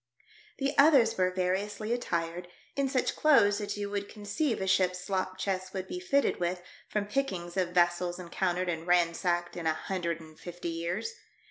The others were variously attired, in such clothes as you would conceive a ship's slop chest would be fitted with from pickings of vessels encountered and ransacked in a hundred and fifty years.